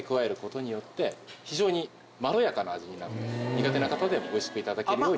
苦手な方でも美味しく頂けるように。